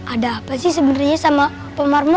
ada apa sih sebenarnya sama pak marmo